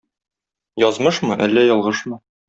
Язмышмы, әллә ялгышмы?